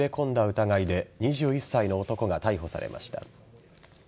疑いで２１歳の男が逮捕されました。